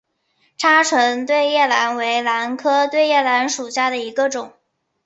叉唇对叶兰为兰科对叶兰属下的一个种。